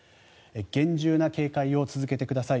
厳重な警戒を続けてください。